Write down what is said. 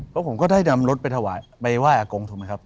เพราะผมก็ได้นำรถไปถวายไปไหว้อากงถูกไหมครับ